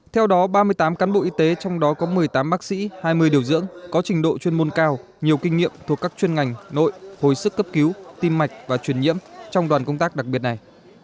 theo đó ba mươi tám cán bộ y tế trong đó có một mươi tám bác sĩ hai mươi điều dưỡng có trình độ chuyên môn cao nhiều kinh nghiệm thuộc các chuyên ngành nội hồi sức cấp cứu tim mạch và truyền nhiễm trong đoàn công tác đặc biệt này